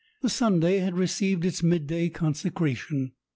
the Sunday had received its midday consecration.